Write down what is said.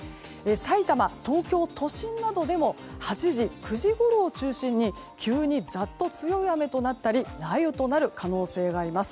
さいたま、東京都心などでも８時、９時ごろを中心に急にざっと強い雨となったり雷雨となる可能性があります。